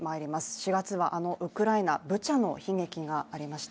４月は、ウクライナ・ブチャの悲劇がありました。